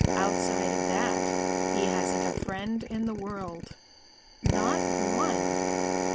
Outside of that he hasn't a friend in the world, not one."